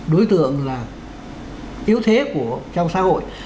đối tượng là yếu thế trong xã hội